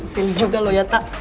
sili juga lo ya tak